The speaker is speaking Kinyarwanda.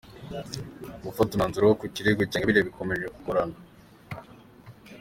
Gufata umwanzuro ku kirego cya Ingabire bikomeje kugorana